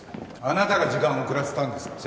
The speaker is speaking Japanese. あなたが時間を遅らせたんですか？